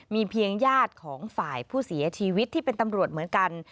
มีเพียงญาติของฝ่ายผู้เสียชีวิตที่เป็นตำรวจเหมือนกัน